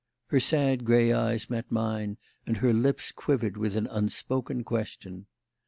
Her sad grey eyes met mine and her lips quivered with an unspoken question.